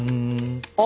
あ！